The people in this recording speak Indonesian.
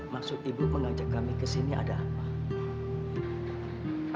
maksud ibu mengajak kami ke sini ada apa